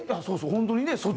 そうそう本当にね